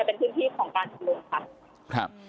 เป็นพื้นที่ของการชุมนุมค่ะ